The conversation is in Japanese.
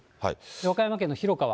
和歌山県の広川。